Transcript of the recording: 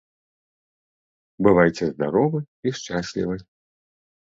Бывайце здаровы і шчаслівы!